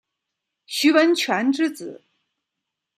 徐文铨之子。